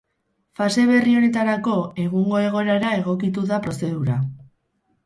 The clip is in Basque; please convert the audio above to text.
Fase berri honetarako, egungo egoerara egokitu da prozedura.